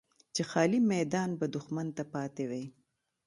چې خالي میدان به دښمن ته پاتې وي.